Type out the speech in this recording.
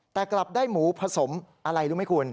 แต่กลับได้หมูผสมอะไรรู้ไหมคุณ